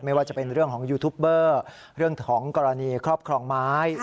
ไม่ว่าจะเป็นเรื่องของยูทูปเบอร์เรื่องของกรณีครอบครองไม้